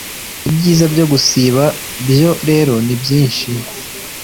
Ibyiza byo gusiba byo rero ni byinshi